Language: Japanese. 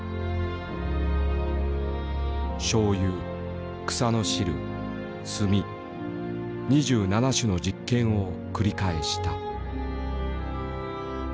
しょうゆ草の汁墨２７種の実験を繰り返した。